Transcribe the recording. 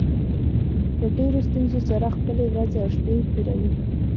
په ډېرو ستونزو سره خپلې ورځې او شپې تېروو